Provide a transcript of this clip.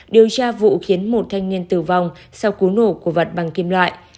điều tra vụ khiến một thanh niên tử vong sau cú nổ của vật bằng kim loại